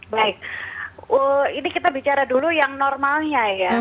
baik ini kita bicara dulu yang normalnya ya